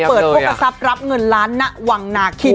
เปิดโภคกระทรัพย์รับเงินล้านหน้าวังหนากิน